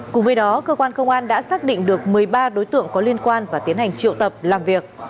cùng với đó cơ quan công an đã xác định được một mươi ba đối tượng có liên quan và tiến hành triệu tập làm việc